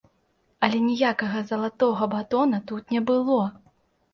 Але ніякага залатога батона тут не было!